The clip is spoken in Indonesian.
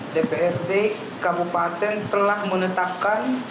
dprd kabupaten telah menetapkan